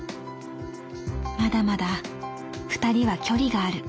まだまだ２人は距離がある。